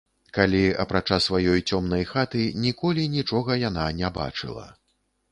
Калі, апрача сваёй цёмнай хаты, ніколі нічога яна не бачыла.